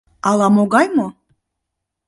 Ала-могай мо?